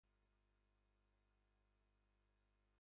A consultative board of elders has been established.